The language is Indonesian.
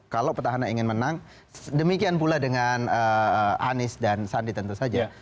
kalau petahana ingin menang demikian pula dengan anies dan sandi tentu saja